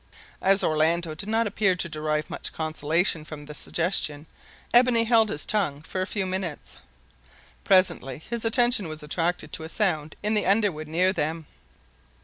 As Orlando did not appear to derive much consolation from the suggestion, Ebony held his tongue for a few minutes. Presently his attention was attracted to a sound in the underwood near them.